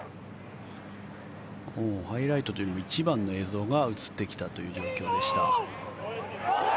ハイライトというより１番の映像が映ってきたという状況でした。